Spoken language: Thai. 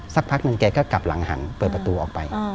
สักพักหนึ่งแกก็กลับหลังหันเปิดประตูออกไป